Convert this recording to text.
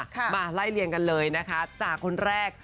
มาไล่เลี่ยงกันเลยนะคะจากคนแรก